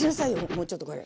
もうちょっとこれ。